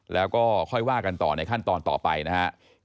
แล้วก็ค่อยว่ากันต่อในขั้นตอนต่อไปนะครับ